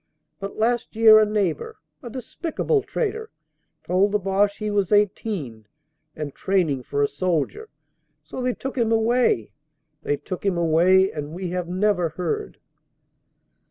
But last year a neighbor a despicable traitor told the Boche he was eighteen and training for a soldier. So they took him away ... they took him away and we have never heard."